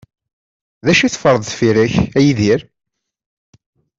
D acu i teffreḍ deffir-k, a Yidir?